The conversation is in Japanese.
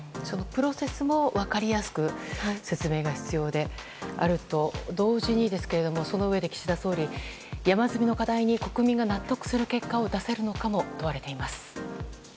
プロセスも分かりやすく説明が必要であると同時にですがそのうえで岸田総理山積みの課題に国民が納得できる結果を出せるのかも問われています。